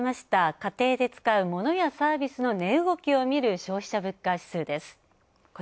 家庭で使うモノやサービスの値動きを見る消費者物価指数です。